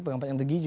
pengantin yang degi